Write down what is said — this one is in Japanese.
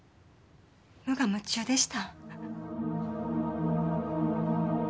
無我夢中でした。